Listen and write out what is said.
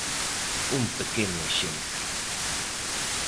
Un pequeno exemplo.